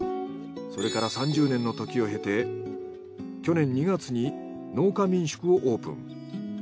それから３０年の時を経て去年２月に農家民宿をオープン。